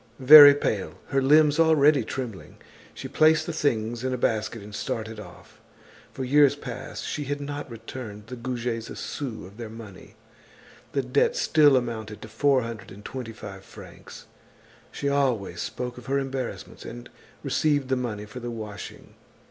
Very pale, her limbs already trembling, she placed the things in a basket and started off. For years past she had not returned the Goujets a sou of their money. The debt still amounted to four hundred and twenty five francs. She always spoke of her embarrassments and received the money for the washing.